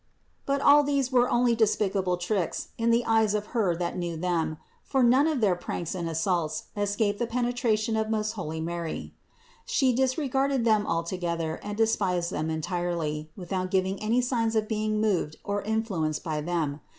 But all these were only despicable tricks in the eyes of Her that knew them; for none of their pranks and assaults escaped the penetration of the most holy Mary. She disregarded them altogether and despised them entirely, without giving any signs of being moved or influenced by them.